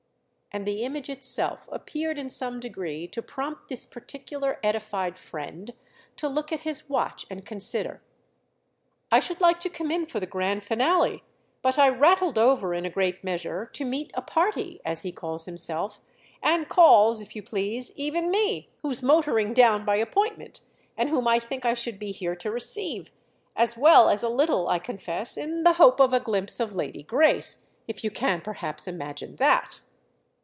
And the image itself appeared in some degree to prompt this particular edified friend to look at his watch and consider. "I should like to come in for the grand finale, but I rattled over in a great measure to meet a party, as he calls himself—and calls, if you please, even me!—who's motoring down by appointment and whom I think I should be here to receive; as well as a little, I confess, in the hope of a glimpse of Lady Grace: if you can perhaps imagine that!"